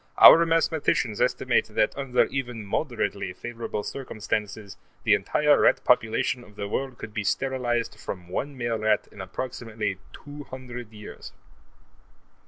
Our mathematicians estimate that under even moderately favorable circumstances, the entire rat population of the world could be sterilized from one male rat in approximately two hundred years.